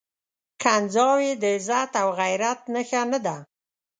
کنځاوي د عزت او غيرت نښه نه ده.